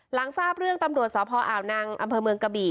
หลังทราบเรื่องตำรวจสพอ่าวนางอำเภอเมืองกะบี่